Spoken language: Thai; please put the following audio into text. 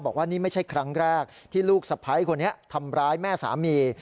บอกว่านี่ไม่ใช่ครั้งแรกที่ลูกสะพ้ายคนนี้ทำร้ายแม่สามี